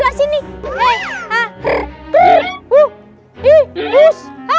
harusnya power suara